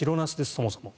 そもそも。